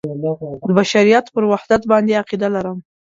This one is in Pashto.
د بشریت پر وحدت باندې عقیده لرم.